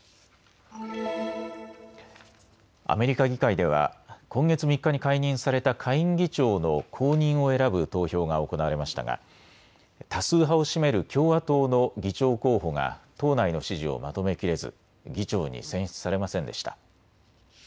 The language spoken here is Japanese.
アメリカ議会では今月３日に解任された下院議長の後任を選ぶ投票が行われましたが多数派を占める共和党の議長候補が党内の支持をまとめきれず議長に選出されませんでした。